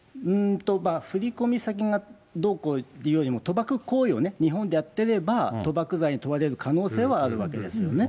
振り込み先がどうこうというよりも、賭博行為をね、日本でやってれば賭博罪に問われる可能性はあるわけですよね。